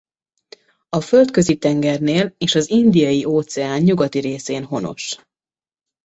A Földközi-tengernél és az Indiai-óceán nyugati részén honos.